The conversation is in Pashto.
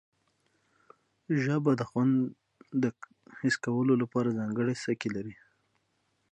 ژبه د خوند د حس کولو لپاره ځانګړي څکي لري